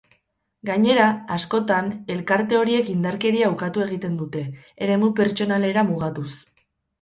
Gainera, askotan elkarte horiek indarkeria ukatu egiten dute, eremu pertsonalera mugatuz.